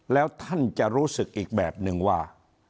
แล้วท่านจะรู้สึกอีกแบบนึงว่า